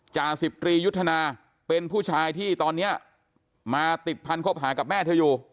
จ่าสิบตรียุทธนาเป็นผู้ชายที่ตอนนี้มาติดพันธบหากับแม่เธออยู่